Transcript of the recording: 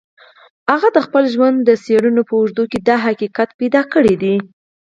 هغه د خپل ژوند د څېړنو په اوږدو کې دا حقیقت موندلی دی